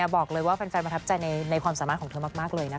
บอกเลยว่าแฟนประทับใจในความสามารถของเธอมากเลยนะคะ